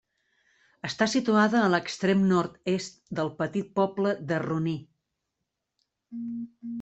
Està situada a l'extrem nord-est del petit poble de Roní.